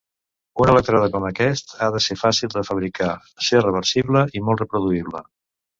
Un elèctrode com aquest ha de ser fàcil de fabricar, ser reversible i molt reproduïble.